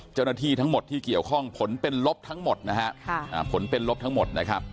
เจ้าหน้าที่ทั้งหมดที่เกี่ยวข้องผลเป็นลบทั้งหมดนะฮะผลเป็นลบทั้งหมดนะครับ